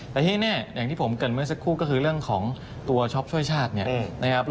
แต่ที่แน่อย่างที่ผมเกิดเมื่อสักครู่ก็คือเรื่องของตัวช็อปช่วยชาติเนี่ยนะครับ